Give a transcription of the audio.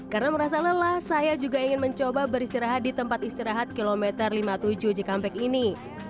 karena merasa lelah saya juga ingin mencoba beristirahat di tempat istirahat km lima puluh tujuh cikampek ini